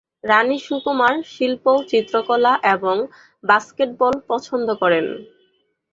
রানী সুকুমার শিল্প, চিত্রকলা এবং বাস্কেটবল পছন্দ করেন।